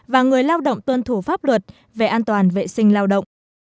và người lao động tuân thủ pháp luật về an toàn vệ sinh lao động